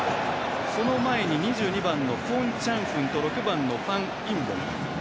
その前に２２番のクォン・チャンフンと６番のファン・インボム。